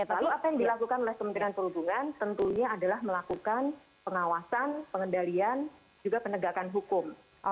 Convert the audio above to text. lalu apa yang dilakukan oleh kementerian perhubungan tentunya adalah melakukan pengawasan pengendalian juga penegakan hukum